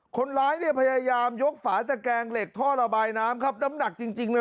คนร้ายเนี่ยพยายามยกฝาตะแกงเหล็กท่อระบายน้ำครับน้ำหนักจริงเลย